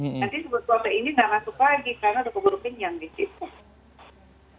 nanti sebetulnya ini gak masuk lagi karena dokter dokter kenyang disitu